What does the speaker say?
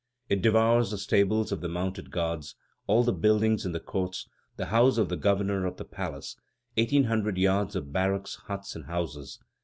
It devours the stables of the mounted guards, all the buildings in the courts, the house of the governor of the palace: eighteen hundred yards of barracks, huts, and houses.